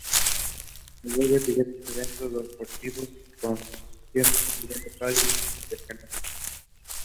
Alberga diversos eventos deportivos y conciertos a nivel local y regional.